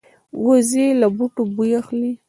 وزې له بوټو بوی اخلي